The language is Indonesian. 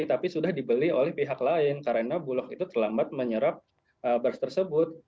tapi sudah dibeli oleh pihak lain karena bulog itu terlambat menyerap beras tersebut